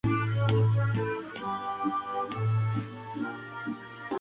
Sirve de sede habitual al Deportivo Toluca.